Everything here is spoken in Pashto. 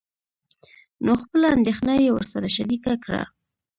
نو خپله اندېښنه يې ورسره شريکه کړه.